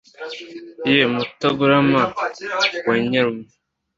ye mutagorama wa nyarume